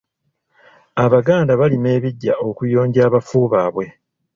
Abaganda balima ebiggya okuyonja abafu baabwe.